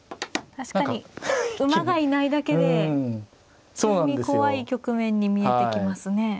確かに馬がいないだけで急に怖い局面に見えてきますね。